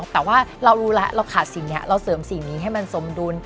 แต่ว่าเรารู้แล้วเราขาดสิ่งนี้เราเสริมสิ่งนี้ให้มันสมดุล